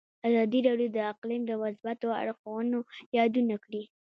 ازادي راډیو د اقلیم د مثبتو اړخونو یادونه کړې.